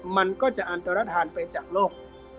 มันก็จะอันตรฐานไปจากโลก